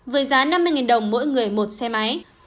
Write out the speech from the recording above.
với giá năm mươi đồng mỗi người một xe máy